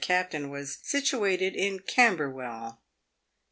captain was situate in Camberwell.